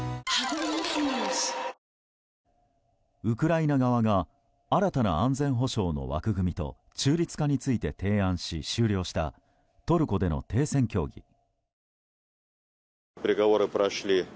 ウクライナ側が新たな安全保障の枠組みと中立化について提案し終了したトルコでの停戦協議。